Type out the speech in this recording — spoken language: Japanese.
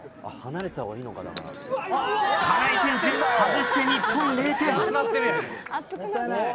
カナイ選手外して日本０点。